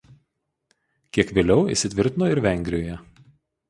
Kiek vėliau įsitvirtino ir Vengrijoje.